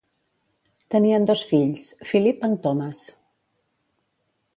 Tenien dos fills: Philip and Thomas.